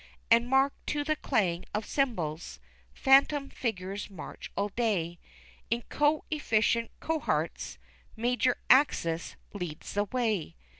And mark to the clang of symbols, phantom figures march all day In co efficient cohorts Major Axis leads the way.